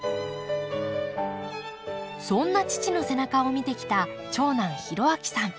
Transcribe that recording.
そんな父の背中を見てきた長男浩章さん。